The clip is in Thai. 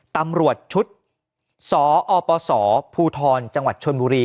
ตำรวจชุดสอปศภูทรจังหวัดชนบุรี